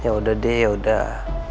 ya udah deh ya udah